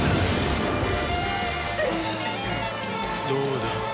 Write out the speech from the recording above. どうだ？